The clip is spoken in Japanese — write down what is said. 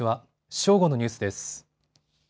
正午のニュースです。